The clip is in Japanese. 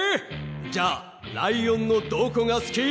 じゃあライオンのどこがすき？